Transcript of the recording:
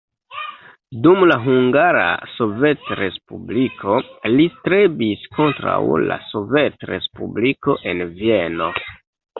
Dum la Hungara Sovetrespubliko li strebis kontraŭ la sovetrespubliko en Vieno.